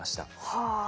はあ。